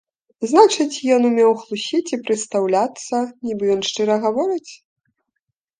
Значыць, ён умеў хлусіць і прыстаўляцца, нібы ён шчыра гаворыць?